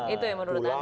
itu yang menurut anda